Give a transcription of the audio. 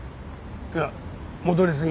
いや戻りすぎ。